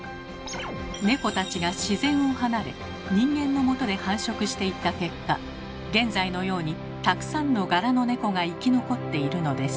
猫たちが自然を離れ人間のもとで繁殖していった結果現在のようにたくさんの柄の猫が生き残っているのです。